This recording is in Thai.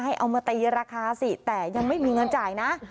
เอามาตีราคาสิแต่ยังไม่มีเงินจ่ายนะ